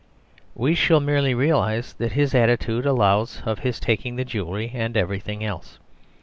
We shall merely realise that his attitude allows of his taking the jewellery and everything else.